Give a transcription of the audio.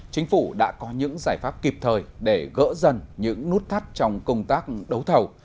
chính phủ đã có những giải pháp kịp thời để gỡ dần những nút thắt trong công tác đấu thầu